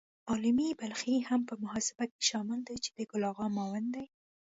عالمي بلخي هم په محاسبه کې شامل دی چې د ګل آغا معاون دی.